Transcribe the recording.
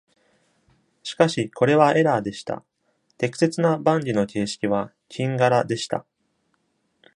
しかし、これはエラーでした。適切なバンギの形式は「キンガラ」でした。